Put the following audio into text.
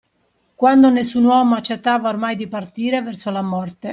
Quando nessun uomo accettava ormai di partire verso la morte.